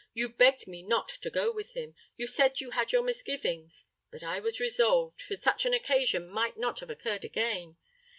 "You begged me not to go with him—you said you had your misgivings: but I was resolved—for such an occasion might not have occurred again.